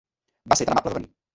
Va ser tan amable de venir!